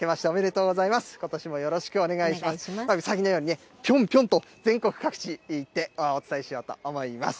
うさぎのようにね、ぴょんぴょんと全国各地行って、お伝えしようと思います。